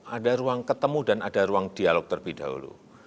ada ruang ketemu dan ada ruang dialog terlebih dahulu